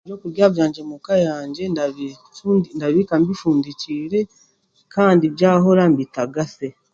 Ebyokurya byangye muuka yangye ndibi ndabibiika bifundikiire kandi byahora mbitagase